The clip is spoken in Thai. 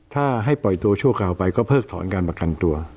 ถ้าให้ปล่อยตัวชั่วคราวไปก็เพิกถอนการประกันตัว